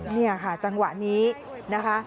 นี่ค่ะจังหวะนี้นะคะ